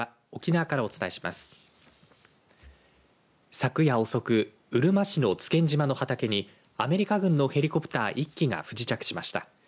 昨夜遅くうるま市の津堅島の畑にアメリカ軍のヘリコプター１機が不時着しました。